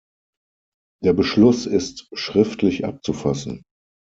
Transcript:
Der Beschluss ist schriftlich abzufassen.